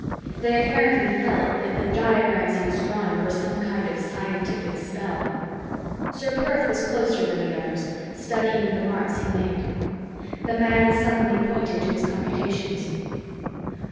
They apparently felt that the diagrams he was drawing were some kind of scientific spell. Ser Perth was closer than the others, studying the marks he made. The man suddenly pointed to his computations.